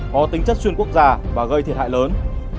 có tính chất xuyên quốc gia và gây thiệt hại lớn